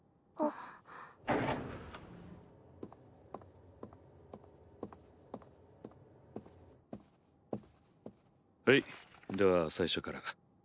はいでは最初から。